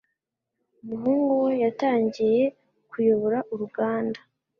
Umuhungu we yatangiye kuyobora uruganda.